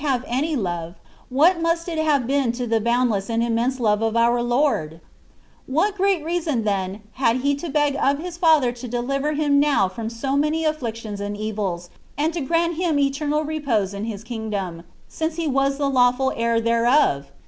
have any love, what must it have been to the boundless and immense love of our Lord ! What great reason, then, had He to beg of His Father to deliver Him now from so many afflictions and evils, and to grant Him eternal repose in His Kingdom, since He was the lawful Heir thereof?